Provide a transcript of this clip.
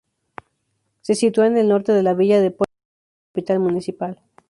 Se sitúan al norte de la villa de Pola de Lena, capital municipal.